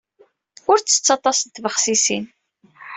Ur ttett aṭas n tbexsisin.